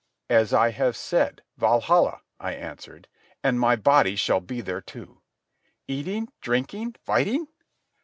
"As I have said, Valhalla," I answered. "And my body shall be there, too." "Eating?—drinking?—fighting?"